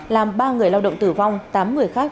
làm ba người lao động tử vong tám người khác